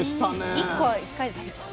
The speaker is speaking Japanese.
１個は１回で食べちゃう。